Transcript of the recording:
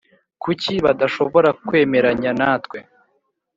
Kuki badashobora kwemeranya natwe